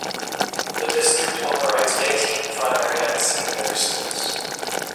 The district operates eighteen primary and secondary schools.